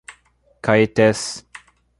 Caetés